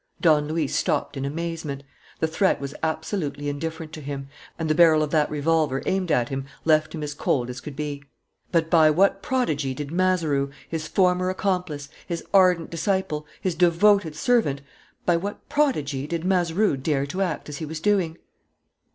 Don Luis stopped in amazement. The threat was absolutely indifferent to him, and the barrel of that revolver aimed at him left him as cold as could be. But by what prodigy did Mazeroux, his former accomplice, his ardent disciple, his devoted servant, by what prodigy did Mazeroux dare to act as he was doing?